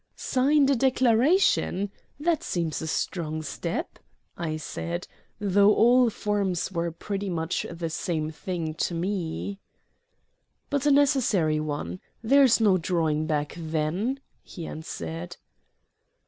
"Signed a declaration? That seems a strong step," I said, though all forms were pretty much the same thing to me. "But a necessary one. There is no drawing back then," he answered.